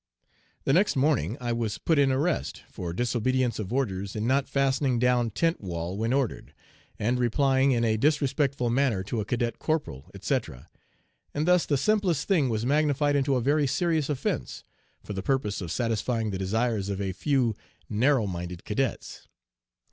The next morning I was put 'in arrest' for 'disobedience of orders in not fastening down tent wall when ordered,' and 'replying in a disrespectful manner to a cadet corporal,' etc.; and thus the simplest thing was magnified into a very serious offence, for the purpose of satisfying the desires of a few narrow minded cadets.